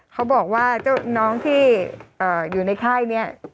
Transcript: เขาบอกว่าเจ้าน้องที่อยู่ในค่ายนี้